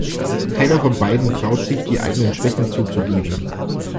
Keiner von beiden traut sich, die eigenen Schwächen zuzugeben.